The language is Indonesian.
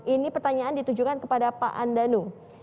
ini pertanyaan ditujukan kepada pak andanu